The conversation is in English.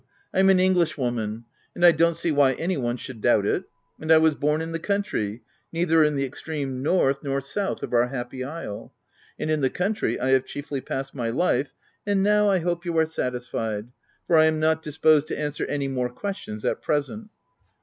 Pm an Englishwoman — and I don't see why any one should doubt it — and I was born in the country neither in the extreme north nor south of our happy isle ; and in the country I have chiefly passed my life, and now, I hope, you are satis fied ; for I am not disposed to answer any more questions at present."